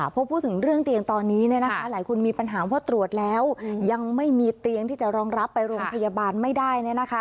พอพูดถึงเรื่องเตียงตอนนี้หลายคนมีปัญหาว่าตรวจแล้วยังไม่มีเตียงที่จะรองรับไปโรงพยาบาลไม่ได้